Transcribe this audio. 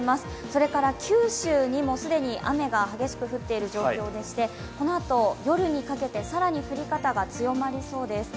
それから九州にも既に雨が激しく降っている状況でして、このあと夜にかけて更に降り方が強まりそうです。